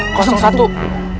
kalian harus mengawasi rumah ini